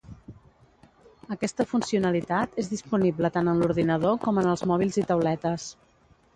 Aquesta funcionalitat és disponible tant en l’ordinador com en els mòbils i tauletes.